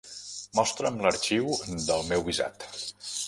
Mostra'm l'arxiu del meu visat.